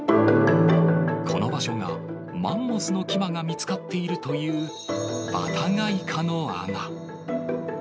この場所が、マンモスの牙が見つかっているという、バタガイカの穴。